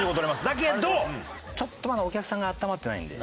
だけどちょっとまだお客さんがあったまってないんで。